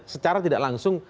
secara tidak langsung